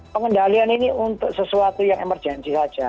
pengendalian ini untuk sesuatu yang emergensi saja